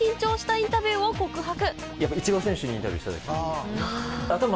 イチロー選手にインタビューしたとき。